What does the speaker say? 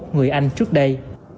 người anh trước đây